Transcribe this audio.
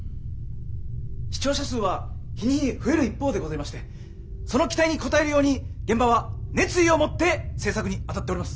視聴者数は日に日に増える一方でございましてその期待に応えるように現場は熱意を持って制作に当たっております。